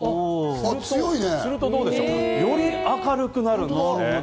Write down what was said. すると、どうでしょう、より明るくなります。